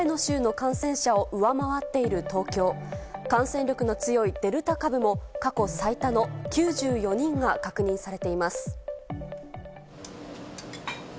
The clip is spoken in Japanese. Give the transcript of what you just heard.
感染力の強いデルタ株も過去最多の９４人が確認されています。